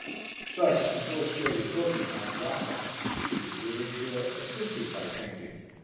Thus an illustrated book is not drama it is literature assisted by painting.